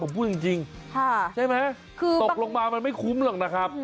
ผมพูดจริงใช่ไหมตกลงมามันไม่คุ้มหรอกนะครับ